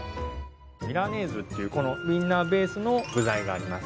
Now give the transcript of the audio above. ミラネーズっていうウインナーベースの具材があります